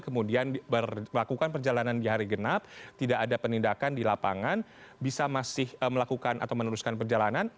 kemudian melakukan perjalanan di hari genap tidak ada penindakan di lapangan bisa masih melakukan atau meneruskan perjalanan